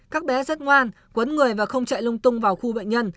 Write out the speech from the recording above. các bé rất ngoan quấn người và không chạy lung tung vào khu bệnh nhân